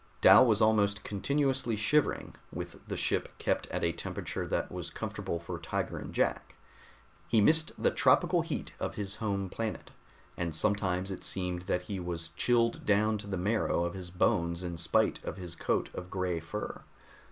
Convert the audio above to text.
Dal was almost continuously shivering, with the ship kept at a temperature that was comfortable for Tiger and Jack; he missed the tropical heat of his home planet, and sometimes it seemed that he was chilled down to the marrow of his bones in spite of his coat of gray fur.